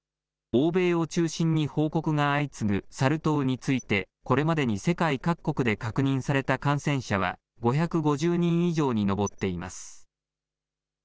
欧米を中心に報告が相次ぐサル痘について、これまでに世界各国で確認された感染者は、５５０人以上に上っています。